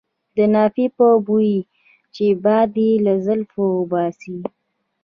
د نافې په بوی چې باد یې له زلفو وباسي.